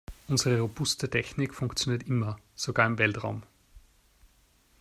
Unsere robuste Technik funktioniert immer, sogar im Weltraum.